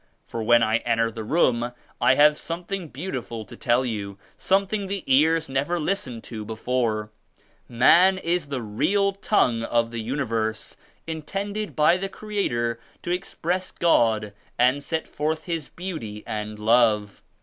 For when I enter the room I have something beauti ful to tell you — something the ears never list ened to before. Man is the real tongue of the universe, intended by the Creator to express God and set forth His Beauty and Love.